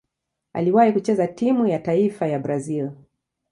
Aliwahi kucheza timu ya taifa ya Brazil.